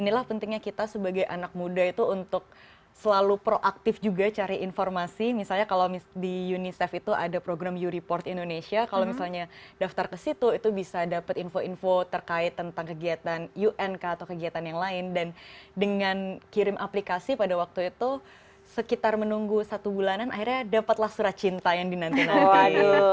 nah pentingnya kita sebagai anak muda itu untuk selalu proaktif juga cari informasi misalnya kalau di unicef itu ada program you report indonesia kalau misalnya daftar ke situ itu bisa dapet info info terkait tentang kegiatan unk atau kegiatan yang lain dan dengan kirim aplikasi pada waktu itu sekitar menunggu satu bulanan akhirnya dapatlah surat cinta yang dinanti nantikan